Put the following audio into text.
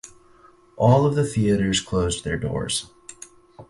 All of the theaters closed their doors.